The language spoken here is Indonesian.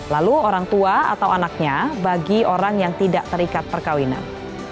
lalu orang tua atau anaknya bagi orang yang tidak terikat perkawinan